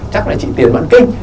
chắc là chị tiền bận kinh